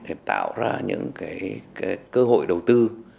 để tạo ra những cơ hội đầu tư